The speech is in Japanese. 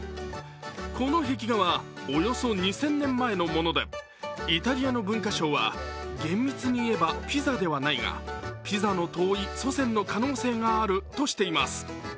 この壁画はおよそ２０００年前のものでイタリアの文化省は厳密に言えばピザではないがピザの遠い祖先の可能性があるとしています。